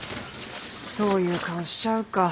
そういう顔しちゃうか。